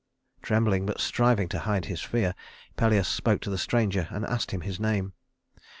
Trembling, but striving to hide his fear, Pelias spoke to the stranger and asked him his name.